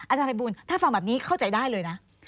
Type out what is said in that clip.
อาจารย์ภัยบูลถ้าฟังแบบนี้เข้าใจได้เลยนะ